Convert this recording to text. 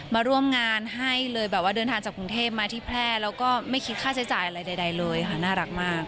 มาร่วมงานให้เลยแบบว่าเดินทางจากกรุงเทพมาที่แพร่แล้วก็ไม่คิดค่าใช้จ่ายอะไรใดเลยค่ะน่ารักมาก